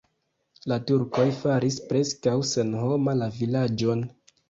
La turkoj faris preskaŭ senhoma la vilaĝon.